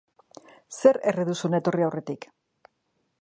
Zer erre duzu hona etorri aurretik.